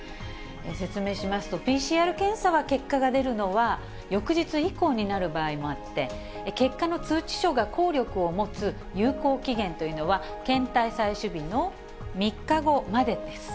説明しますと、ＰＣＲ検査は結果が出るのは、翌日以降になる場合もあって、結果の通知書が効力を持つ有効期限というのは、検体採取日の３日後までです。